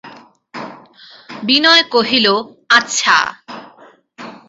বিনয় কহিল, আচ্ছা।